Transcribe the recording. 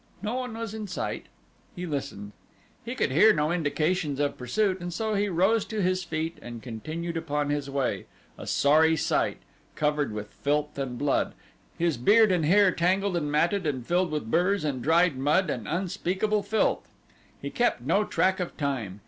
No one was in sight. He listened. He could hear no indications of pursuit and so he rose to his feet and continued upon his way a sorry sight covered with filth and blood, his beard and hair tangled and matted and filled with burrs and dried mud and unspeakable filth. He kept no track of time.